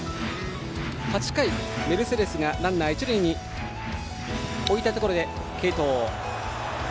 ８回、メルセデスがランナーを一塁に置いたところで継投。